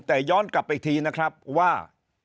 แต่ย้อนกลับไปอีกทีนะครับว่า